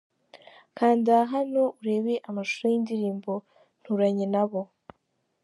Kanda hano urebe amashusho y'indirimbo 'Nturanye nabo' .